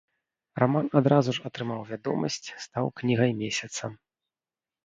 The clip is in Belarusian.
Раман адразу ж атрымаў вядомасць, стаў кнігай месяца.